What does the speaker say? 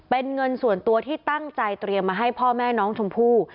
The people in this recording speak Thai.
เป็นเงินส่วนตัวที่ตั้งใจเตรียมมาให้พ่อแม่น้องชมพู่